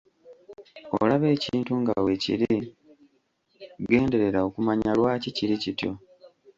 Olaba ekintu nga weekiri, genderera okumanya lwaki kiri kityo?